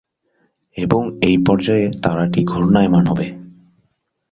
এবং এই পর্যায়ে তারাটি ঘূর্ণায়মান হবে।